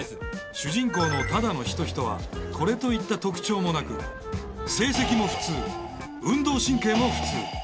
主人公の只野仁人はこれといった特徴もなく成績も普通運動神経も普通。